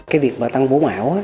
cái việc mà tăng vốn ảo